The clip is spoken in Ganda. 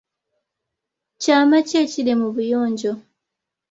Kyama ki ekiri mu buyonjo?